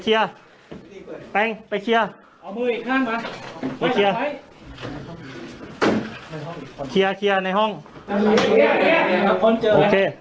ให้พี่ที่สนดับ